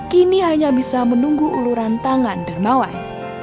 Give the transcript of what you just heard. kini hanya bisa menunggu uluran tangan dermawan